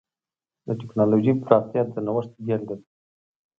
د ټکنالوجۍ پراختیا د نوښت بېلګه ده.